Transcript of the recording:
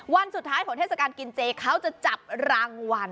วันสุดท้ายของเทศกาลกินเจเขาจะจับรางวัล